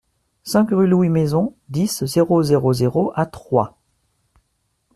cinq rue Louis Maison, dix, zéro zéro zéro à Troyes